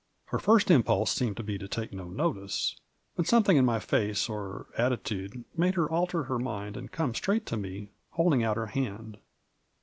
Her first impulse seemed to be to take no notice, but something in my face or attitude made her alter her mind and come straight to me, holding out her hand.